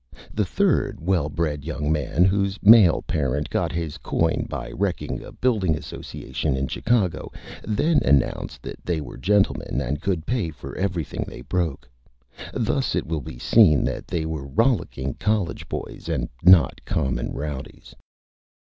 The third Well Bred Young Man, whose Male Parent got his Coin by wrecking a Building Association in Chicago, then announced that they were Gentlemen, and could Pay for everything they broke. Thus it will be seen that they were Rollicking College Boys and not Common Rowdies.